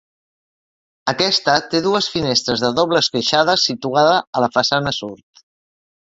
Aquesta té dues finestres de doble esqueixada, situada a la façana sud.